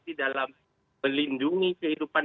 di dalam melindungi kehidupan